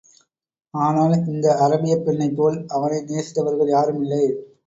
ஆனால் இந்த அரபியப் பெண்ணைப்போல் அவனை நேசித்தவர்கள் யாருமில்லை!